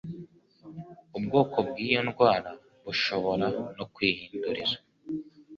Ubwoko bw’iyo ndwara bushobora no kwihinduriza